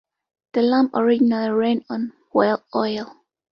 The lamp originally ran on whale oil.